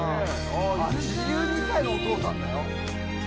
８２歳のお父さんだよ。